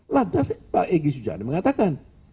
lantas pak egy sujani mengatakan